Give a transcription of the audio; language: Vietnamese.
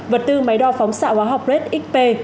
vật tư máy đo phóng xạ hóa học red xp